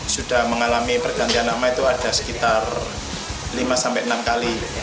sudah mengalami pergantian nama itu ada sekitar lima sampai enam kali